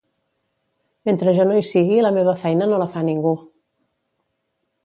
Mentre jo no hi sigui la meva feina no la fa ningú